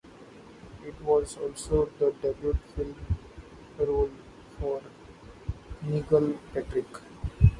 It was also the debut film role for Nigel Patrick.